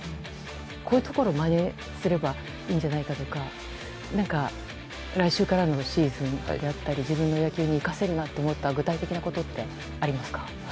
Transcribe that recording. こういうところをまねすればいいんじゃないかとか何か来週からのシーズンであったり自分の野球に生かせると思った具体的なことってありますか？